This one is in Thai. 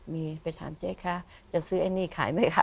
มีไปถามเจ๊คะจะซื้อไอ้นี่ขายไหมคะ